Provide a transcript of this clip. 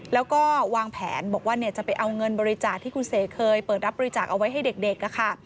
แล้วก็วางแผนบอกว่าจะไปเอาเงินบริจาคที่คุณเสกเคยเปิดรับบริจาคเอาไว้ให้เด็กค่ะ